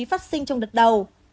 phát sinh trong đợt đầu